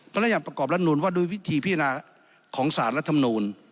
พระรามยัดประกอบรัฐนูลว่าด้วยวิธีพินาของศาลและธรรมนูล